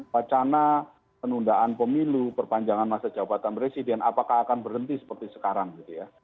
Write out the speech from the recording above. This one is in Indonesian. pacana penundaan pemilu perpanjangan masa jabatan presiden apakah akan berhenti seperti sekarang